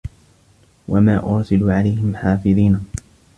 وَما أُرسِلوا عَلَيهِم حافِظينَ